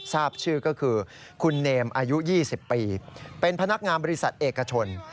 ทราบชื่อก็คือคุณเนมอายุ๒๐ปีเป็นพนักงานบริษัทเอกชน